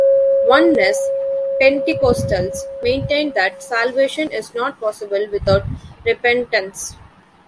Oneness Pentecostals maintain that salvation is not possible without repentance.